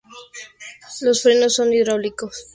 Los frenos son hidráulicos en las cuatro ruedas.